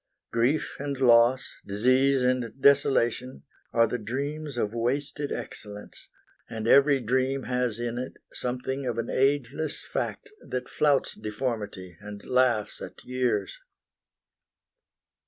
Grief and loss, Disease and desolation, are the dreams Of wasted excellence; and every dream Has in it something of an ageless fact That flouts deformity and laughs at years.